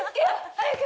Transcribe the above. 早く！